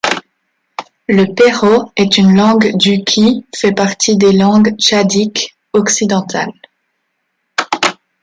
Le pero est une langue du qui fait partie des langues tchadiques occidentales.